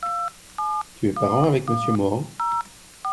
Tu es parent avec monsieur Mohan ?